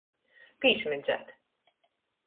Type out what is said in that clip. Pīsmedzēt.